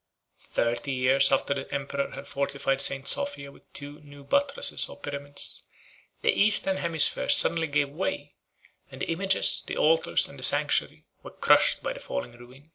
Thirty years after the emperor had fortified St. Sophia with two new buttresses or pyramids, the eastern hemisphere suddenly gave way: and the images, the altars, and the sanctuary, were crushed by the falling ruin.